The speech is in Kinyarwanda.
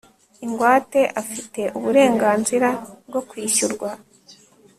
ingwate afite uburenganzira bwo kwishyurwa